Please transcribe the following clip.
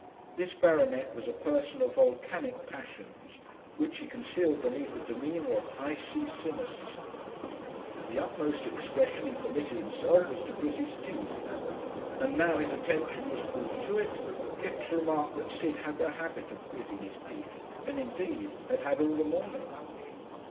This baronet was a person of volcanic passions which he concealed beneath a demeanour of "icy cynicism." The utmost expression he permitted himself was to grit his teeth; and now his attention was called to it, Kipps remarked that Sid also had a habit of gritting his teeth and indeed had had all the morning.